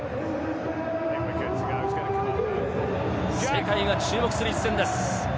世界が注目する一戦です。